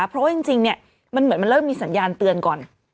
เพราะว่าจริงเนี่ยมันเหมือนมันเริ่มมีสัญญาณเตือนก่อน